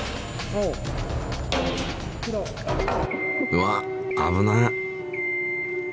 うわっ危ない！